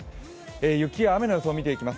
雪や雨の予想を見ていきます。